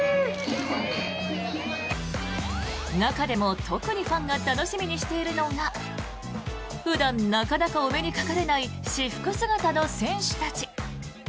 中でも特にファンが楽しみにしているのが普段なかなかお目にかかれない私服姿の選手たち。